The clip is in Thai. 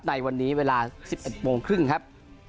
ในวันนี้เวลา๑๑โมงครึ่งครับ